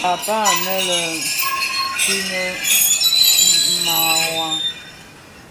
Paapaa anë lè Krine mawar.